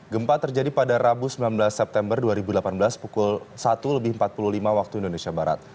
gempa terjadi pada rabu sembilan belas september dua ribu delapan belas pukul satu empat puluh lima wib